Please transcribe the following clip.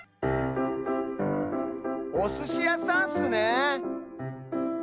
おすしやさんスね！